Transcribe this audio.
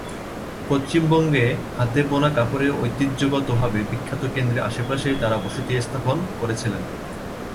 পশ্চিমবঙ্গে হাতে বোনা কাপড়ের ঐতিহ্যগতভাবে বিখ্যাত কেন্দ্রের আশেপাশে তারা বসতি স্থাপন করেছিলেন।